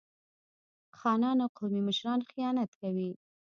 خانان او قومي مشران خیانت کوي.